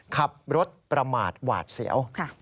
ขับรถประมาทหวาดเสียว